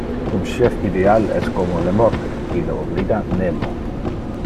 Un chef ideal es como le morte: ille oblida nemo.